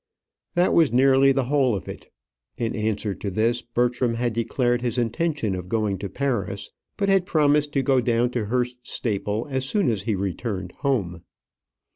That was nearly the whole of it. In answer to this, Bertram had declared his intention of going to Paris, but had promised to go down to Hurst Staple as soon as he returned home.